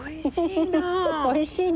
おいしいね。